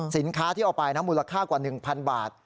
สินค้าที่เอาไปนะมูลค่ากว่า๑๐๐บาท